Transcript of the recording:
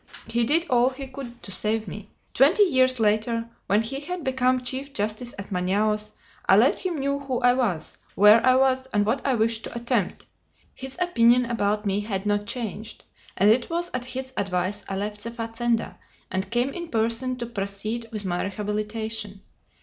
He did all he could to save me. Twenty years later, when he had become chief justice at Manaos, I let him know who I was, where I was, and what I wished to attempt. His opinion about me had not changed, and it was at his advice I left the fazenda, and came in person to proceed with my rehabilitation.